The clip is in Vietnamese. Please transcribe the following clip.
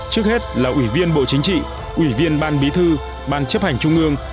trước hết là ủy viên bộ chính trị ủy viên ban bí thư ban chấp hành trung ương